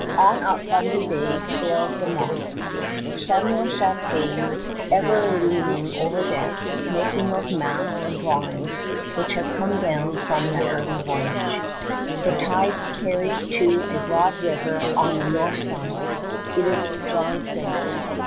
On up Fundy Bay sails De Monts, Samuel Champlain ever leaning over decks, making those maps and drawings which have come down from that early voyage. The tides carry to a broad river on the north side. It is St. John's Day.